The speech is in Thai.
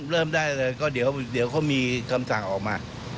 เริ่มได้เลยก็เดี๋ยวเขามีคำสั่งออกมา